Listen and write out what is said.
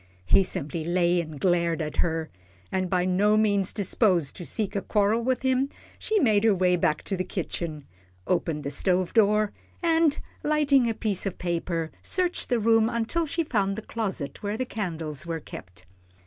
He simply lay and glared at her, and by no means disposed to seek a quarrel with him, she made her way back to the kitchen, opened the stove door, and, lighting a piece of paper, searched the room until she found the closet where the candles were kept.